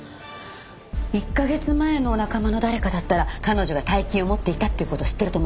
１カ月前の仲間の誰かだったら彼女が大金を持っていたという事を知ってると思います。